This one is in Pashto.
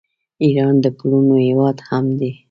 ایران د پلونو هیواد هم دی.